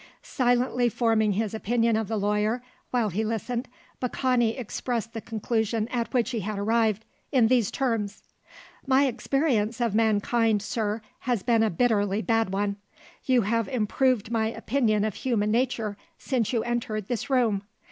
Silently forming his opinion of the lawyer, while he listened, Baccani expressed the conclusion at which he had arrived, in these terms: "My experience of mankind, sir, has been a bitterly bad one. You have improved my opinion of human nature since you entered this room.